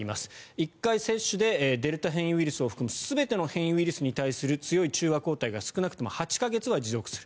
１回接種でデルタ変異ウイルスを含む全ての変異ウイルスに対する強い中和抗体が少なくとも８か月は持続する。